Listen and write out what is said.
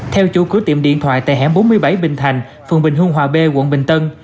theo chủ cửa tiệm điện thoại tại hẻm bốn mươi bảy bình thành phường bình hương hòa b quận bình tân